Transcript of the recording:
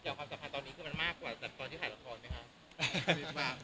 แต่ว่าความสำคัญตอนนี้คือมันมากกว่าตอนที่ถ่ายละครมั้ยครับ